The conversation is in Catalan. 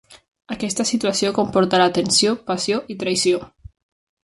Aquesta situació comportarà tensió, passió i traïció.